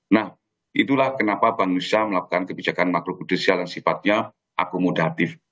nah itulah kenapa bank indonesia melakukan kebijakan makrobudusial yang sifatnya akomodatif